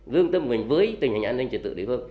lương tâm của mình với tình hình an ninh trật tự địa phương